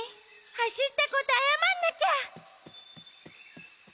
はしったことあやまんなきゃ！